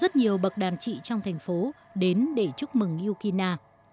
rất nhiều bậc đàn trị trong thành phố đến để chúc mừng ukina